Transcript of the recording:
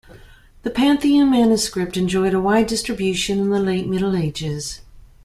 The Pantheon manuscript enjoyed a wide distribution in the late middle ages.